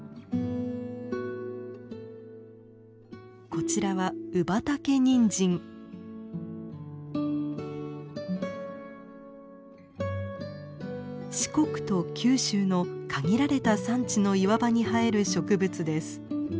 こちらは四国と九州の限られた山地の岩場に生える植物です。